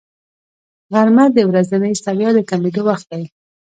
غرمه د ورځنۍ ستړیا د کمېدو وخت دی